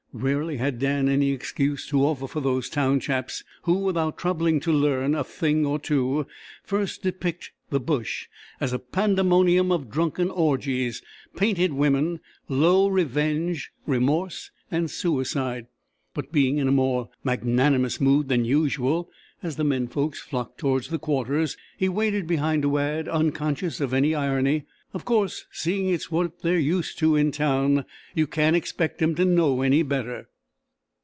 Rarely had Dan any excuse to offer for those "town chaps," who, without troubling to learn "a thing or two," first, depict the bush as a pandemonium of drunken orgies, painted women, low revenge, remorse, and suicide; but being in a more magnanimous mood than usual, as the men folk flocked towards the Quarters he waited behind to add, unconscious of any irony: "Of course, seeing it's what they're used to in town, you can't expect 'em to know any better."